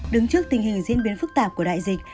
đứng trước tình hình diễn biến phức tạp của đại dịch